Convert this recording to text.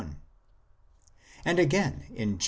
And again in Jer.